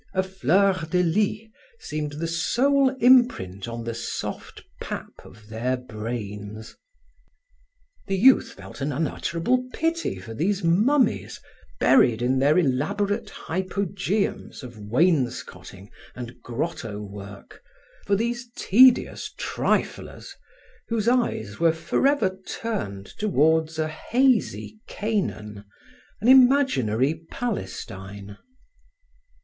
A fleur de lis seemed the sole imprint on the soft pap of their brains. The youth felt an unutterable pity for these mummies buried in their elaborate hypogeums of wainscoting and grotto work, for these tedious triflers whose eyes were forever turned towards a hazy Canaan, an imaginary Palestine.